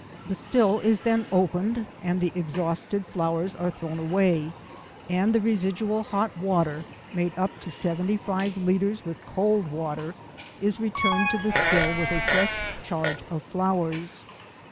The still is then opened and the exhausted flowers are thrown away, and the residual hot water, made up to seventy five litres with cold water, is returned to the still with a fresh charge of flowers.